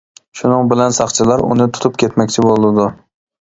شۇنىڭ بىلەن ساقچىلار ئۇنى تۇتۇپ كەتمەكچى بولىدۇ.